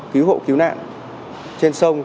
cứu hộ cứu nạn trên sông